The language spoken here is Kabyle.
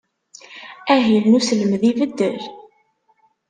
Ahil n uselmed ibeddel?